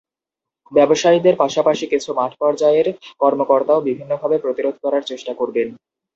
ব্যবসায়ীদের পাশাপাশি কিছু মাঠপর্যায়ের কর্মকর্তাও বিভিন্নভাবে প্রতিরোধ করার চেষ্টা করবেন।